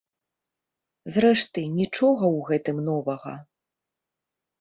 Зрэшты, нічога ў гэтым новага.